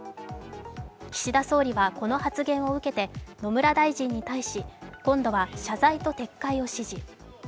岸田総理は、この発言を受けて野村大臣に対し、今度は謝罪と撤回を指示。